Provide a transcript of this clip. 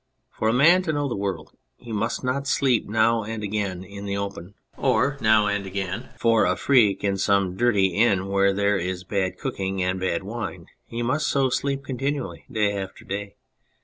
For a man to know the world he must not sleep now and again in the open, or now and again for a freak in some dirty inn where there is bad cooking and bad wine ; he must so sleep continually day after day.